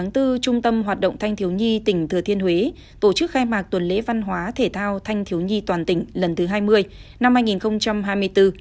ngày bốn trung tâm hoạt động thanh thiếu nhi tỉnh thừa thiên huế tổ chức khai mạc tuần lễ văn hóa thể thao thanh thiếu nhi toàn tỉnh lần thứ hai mươi năm hai nghìn hai mươi bốn